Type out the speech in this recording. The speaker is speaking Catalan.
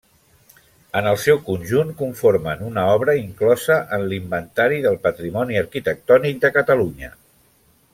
En el seu conjunt, conformen una obra inclosa en l'Inventari del Patrimoni Arquitectònic de Catalunya.